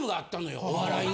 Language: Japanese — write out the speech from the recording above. お笑いの。